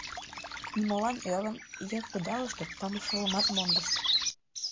Нимолан ӧрын, йыр кудалыштыт, тамле шылымат мондышт.